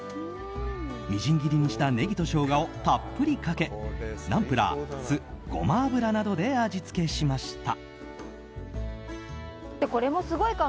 みじん切りにしたネギとショウガをたっぷりかけナンプラー、酢、ゴマ油などで味付けしました。